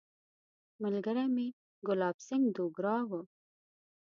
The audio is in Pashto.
ملګری مې ګلاب سینګهه دوګرا وو.